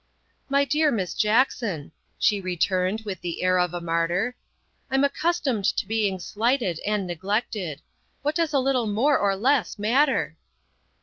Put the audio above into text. " My dear Miss Jackson," she returned with the air of a martyr, "I'm accustomed to being slighted and neglected. What does a little more or less matter